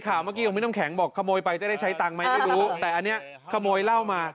เดี๋ยวดูเหตุการณ์ตอนไปเจอนายสิงหานี่หน่อยครับ